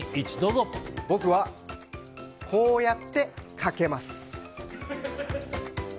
僕は、こうやってかけます。